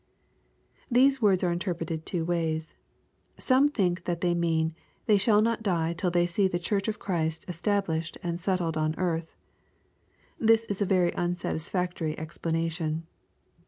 ] These words are interpreted two ways. Some think that they mean " They shall not die till they see the Church of Christ established and settled on earth." This is a very unsatisfactory explanation.